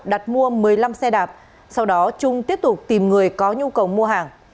đặt mua một mươi năm xe đạp sau đó trung tiếp tục tìm người có nhu cầu mua hàng